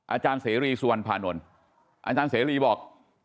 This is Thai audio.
อาจารย์เสรีสุวรรณภานนท์อาจารย์เสรีบอก